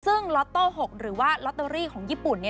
ซึ่งล็อตโต้๖หรือว่าลอตเตอรี่ของญี่ปุ่น